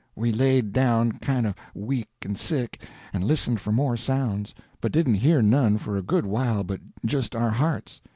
We laid down, kind of weak and sick, and listened for more sounds, but didn't hear none for a good while but just our hearts.